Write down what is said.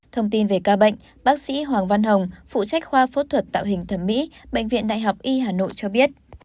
thông tin về ca bệnh bác sĩ hoàng văn hồng phụ trách khoa phẫu thuật tạo hình thẩm mỹ bệnh viện đại học y hà nội cho biết